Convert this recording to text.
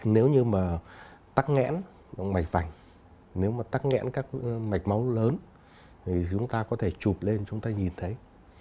nếu như mà tắc nghẽn mạch vành nếu mà tắc nghẽn các mạch máu lớn thì chúng ta có thể chụp lên chúng ta nhìn thấy